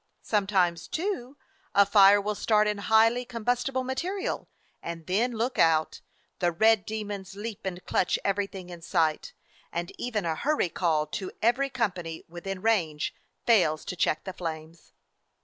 Sometimes, too, a fire will start in highly com bustible material, and then look out ! The red demons leap and clutch everything in sight, and even a hurry call to every company within range fails to check the flames.